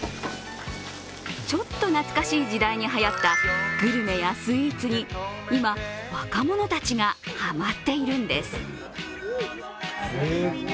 ちょっと懐かしい時代にはやったグルメやスイーツに今、若者たちがハマっているんです